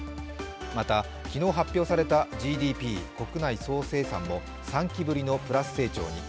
また昨日発表されたＧＤＰ＝国内総生産も３期ぶりのプラス成長に。